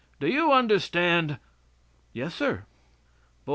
Do you understand?" "Yes, sir."